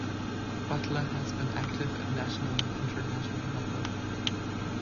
Butler has been active at national and international level.